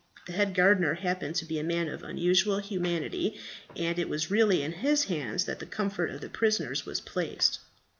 The head gardener happened to be a man of unusual humanity, and it was really in his hands that the comfort of the prisoners was placed.